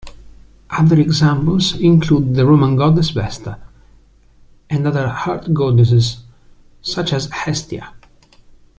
Other examples include the Roman goddess Vesta, and other hearth-goddesses, such as Hestia.